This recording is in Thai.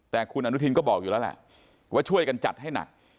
แต่คุณอนุทินก็บอกอยู่แล้วแหละว่าช่วยกันจัดให้หนัก